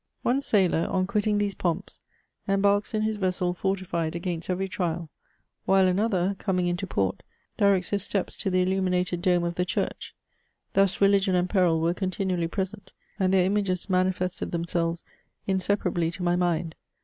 One sailor, on quitting these pomps, embarks in his vessel fortified against every trial, while another, coming into port, directs his steps to the illuminated dome of the church ; thus religion and peril were continually present, and their images manifested themselves inseparably to my mind.